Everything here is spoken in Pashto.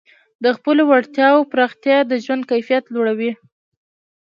د خپلو وړتیاوو پراختیا د ژوند کیفیت لوړوي.